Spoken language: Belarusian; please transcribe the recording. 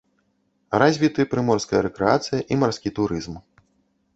Развіты прыморская рэкрэацыя і марскі турызм.